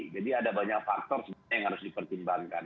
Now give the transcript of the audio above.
jadi ada banyak faktor sebenarnya yang harus dipertimbangkan